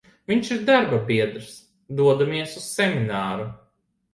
Vinš ir darbabiedrs, dodamies uz semināru.